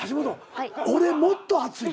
俺もっと暑い。